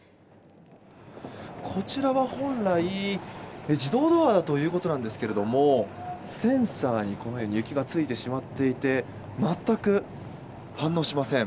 こちらは本来自動ドアだということなんですがセンサーに雪がついてしまっていて全く反応しません。